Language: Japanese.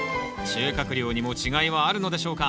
収穫量にも違いはあるのでしょうか？